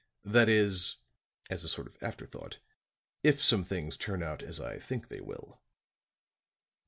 "That is," as a sort of afterthought, "if some things turn out as I think they will."